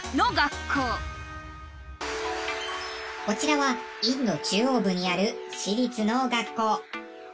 こちらはインド中央部にある私立の学校。